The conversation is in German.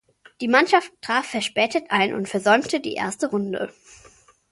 Die Mannschaft traf verspätet ein und versäumte die erste Runde.